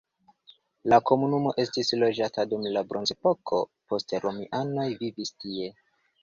La komunumo estis loĝata dum la bronzepoko, poste romianoj vivis tie.